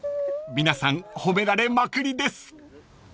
［皆さん褒められまくりです］